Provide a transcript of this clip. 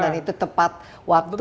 dan itu tepat waktu